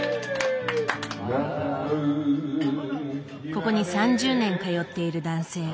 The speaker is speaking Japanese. ここに３０年通っている男性。